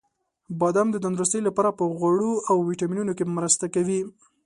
• بادام د تندرستۍ لپاره په غوړو او ویټامینونو کې مرسته کوي.